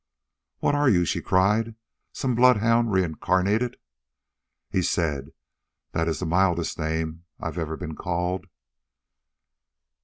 "What are you?" she cried. "Some bloodhound reincarnated?" He said: "That is the mildest name I have ever been called."